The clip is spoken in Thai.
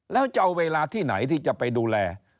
แล้วจะเอาเวลาที่ไหนที่จะไปดูแล